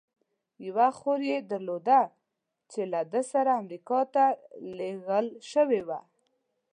یوه خور یې درلوده، چې له ده سره امریکا ته لېږل شوې وه.